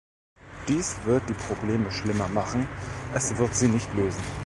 Dies wird die Probleme schlimmer machen, es wird sie nicht lösen.